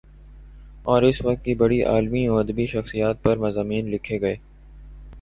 اور اس وقت کی بڑی علمی و ادبی شخصیات پر مضامین لکھے گئے